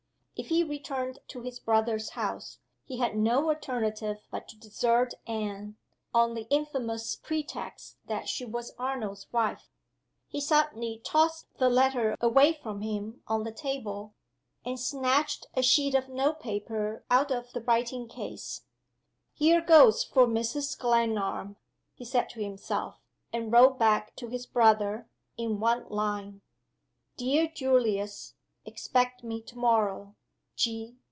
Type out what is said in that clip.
If he returned to his brother's house, he had no alternative but to desert Anne, on the infamous pretext that she was Arnold's wife. He suddenly tossed the letter away from him on the table, and snatched a sheet of note paper out of the writing case. "Here goes for Mrs. Glenarm!" he said to himself; and wrote back to his brother, in one line: "Dear Julius, Expect me to morrow.